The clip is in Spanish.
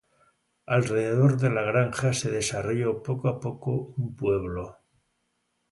Alrededor de la granja se desarrolló poco a poco un pueblo.